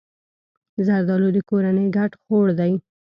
زردالو د کورنۍ ګډ خوړ دی.